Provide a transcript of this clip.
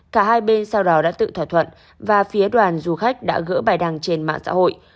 cả hai bên sau đó đã tự thỏa thuận và phía đoàn du khách đã gỡ bài đăng trên mạng xã hội